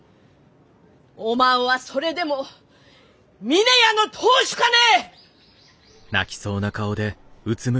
おまんはそれでも峰屋の当主かね！？